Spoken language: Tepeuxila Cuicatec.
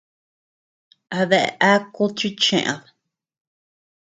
¿A dea akud chi cheʼed?